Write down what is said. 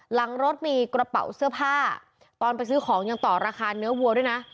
หลังรถมีกระเป๋าเสื้อผ้าตอนไปซื้อของยังต่อราคาเนื้อวัวด้วยนะ